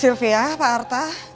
silvia pak arta